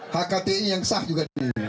hakati yang sah juga